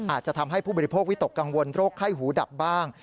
อาจจะทำให้ผู้บริโภควิตกกังวลโรคไข้หูดับบ้าง